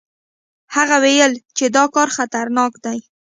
هغه ویل چې دا کار خطرناک دی.